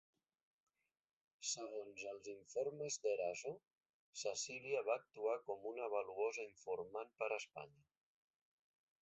Segons els informes d'Eraso, Cecilia va actuar com una valuosa informant per a Espanya.